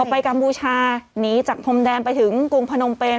ไปกัมพูชาหนีจากพรมแดนไปถึงกรุงพนมเป็น